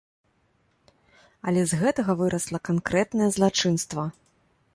Але з гэтага вырасла канкрэтнае злачынства.